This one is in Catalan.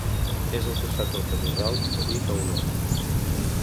És al costat del Camí ral de Vic a Olot.